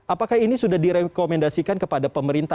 apakah ini sudah direkomendasikan kepada pemerintah